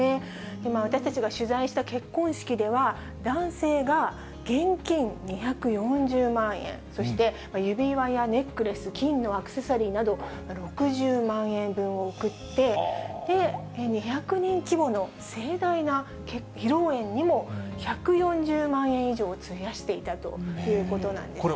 今、私たちが取材した結婚式では、男性が現金２４０万円、そして指輪やネックレス、金のアクセサリーなど、６０万円分を贈って、２００人規模の盛大な披露宴にも、１４０万円以上費やしていたということなんですね。